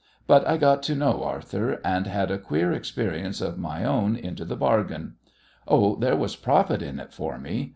But I got to know Arthur, and had a queer experience of my own into the bargain. Oh, there was profit in it for me.